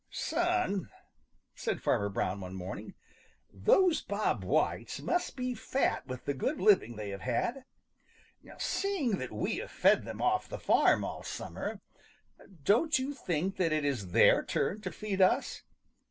"Son," said Farmer Brown one morning, "those Bob Whites must be fat with the good living they have had. Seeing that we have fed them off the farm all summer, don't you think that it is their turn to feed us?